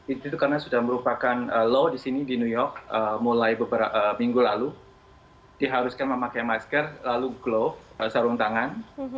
itu karena sudah merupakan law di sini di new york mulai beberapa minggu lalu diharuskan memakai masker lalu glove sarung tangan